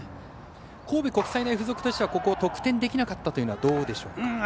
神戸国際大付属としてはここ得点できなかったのはどうでしょうか？